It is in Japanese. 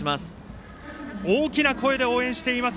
大きな声で応援しています